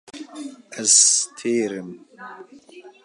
Ez têr im.